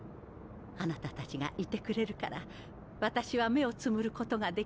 貴方たちがいてくれるから私は目をつむることができます。